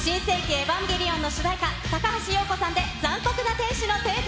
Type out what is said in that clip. エヴァンゲリオンの主題歌、高橋洋子さんで、残酷な天使のテーゼ。